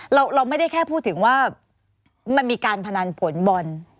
เราไม่ได้แค่พูดถึงว่ามันมีการพนันผลบอล